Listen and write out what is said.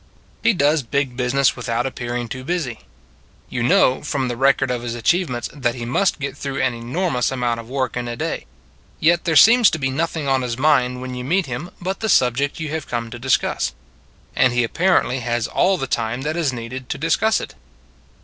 He does big business without appearing too busy. You know, from the record of his achievements, that he must get through an enormous amount of work in a day: yet there seems to be nothing on his mind, when you meet him, but the subject you have come to discuss: and he apparently has all the time that is needed to discuss it.